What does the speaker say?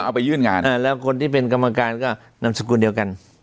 เอาไปยื่นงานแล้วคนที่เป็นกรรมการก็นำสกุลเดียวกัน